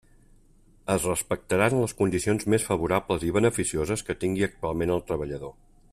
Es respectaran les condicions més favorables i beneficioses que tingui actualment el treballador.